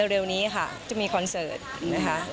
แล้วเร็วนี้ค่ะจะมีคอนเสิร์ตนะคะอืม